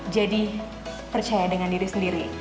jadi percaya dengan diri sendiri